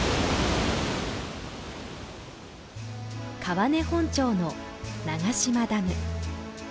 川根本町の長島ダム。